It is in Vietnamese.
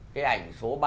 cái ảnh số ba